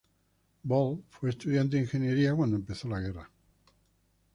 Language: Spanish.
Ball fue estudiante de ingeniería cuando empezó la guerra.